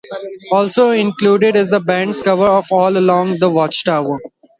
Also included is the band's cover of All Along the Watchtower.